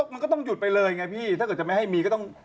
มันก็ต้องหยุดไปเลยไงพี่ถ้าเกิดจะไม่ให้มีก็ต้อง